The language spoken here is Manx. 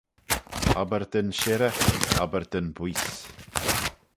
Obbyr dyn shirrey, obbyr dyn booise